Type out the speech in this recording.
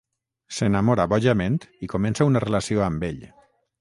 S’enamora bojament i comença una relació amb ell.